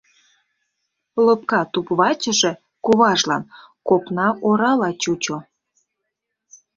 Лопка туп-вачыже куважлан копна орала чучо.